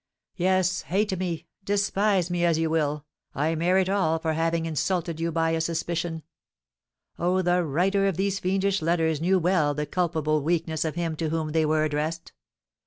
Yes, hate me, despise me as you will, I merit all for having insulted you by a suspicion. Oh, the writer of these fiendish letters knew well the culpable weakness of him to whom they were addressed.